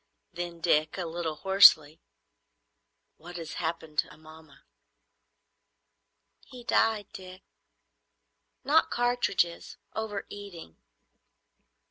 Then Dick, a little hoarsely—"What has happened to Amomma?" "He died, Dick. Not cartridges; over eating.